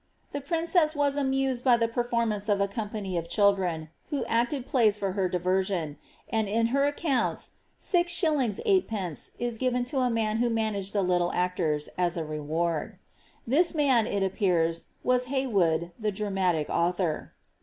* The princess waf amused by the performance of a company of children, who acted playi for her diversion ; and in her accounts Gs. 8d. is given to a man who managed the little actors, as a reward. This man, it appears, was Hey wood, the dramatic author.